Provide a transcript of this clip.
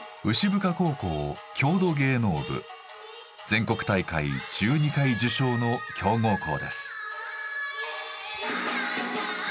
全国大会１２回受賞の強豪校です。